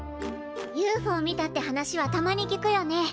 ＵＦＯ見たって話はたまに聞くよね。